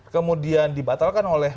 kemudian dibatalkan oleh